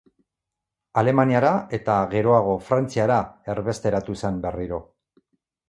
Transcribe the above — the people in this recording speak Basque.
Alemaniara eta, geroago, Frantziara erbesteratu zen berriro.